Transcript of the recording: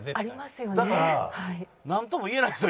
だからなんとも言えないんですよ